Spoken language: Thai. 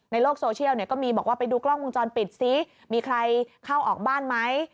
ในโลกโซเชียลเนี่ยก็มีบอกว่าไปดูกล้องวงจรปิดซิมีใครเข้าออกบ้านไหม